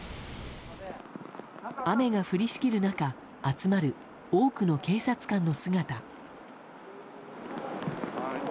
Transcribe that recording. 雨が降りしきる中集まる多くの警察官の姿。